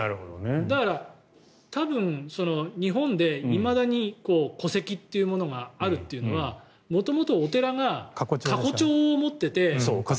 だから、多分日本でいまだに戸籍というものがあるというのは元々、お寺が過去帳を持っていて。